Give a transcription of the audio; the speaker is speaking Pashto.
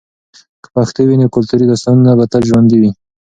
که پښتو وي، نو کلتوري داستانونه به تل ژوندۍ وي.